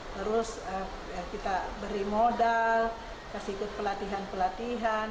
terus kita beri modal kasih ikut pelatihan pelatihan